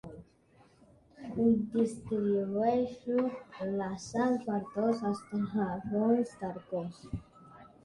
Distribueixo la sang per tots els racons del cos.